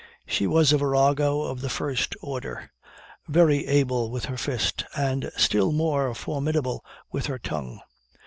She was a virago of the first order, very able with her fist, and still more formidable with her tongue.